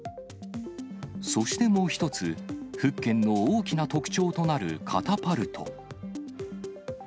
そしてもう一つ、福建の大きな特徴となるカタパルト。